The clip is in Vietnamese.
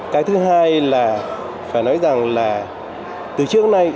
cái thứ hai là phải nói rằng là từ trước đến nay